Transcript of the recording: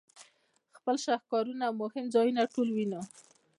خپل شهکارونه او مهم ځایونه ټول وینو.